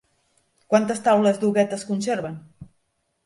Quantes taules d'Huguet es conserven?